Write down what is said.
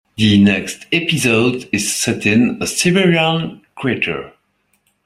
The next episode is set in a Siberian crater.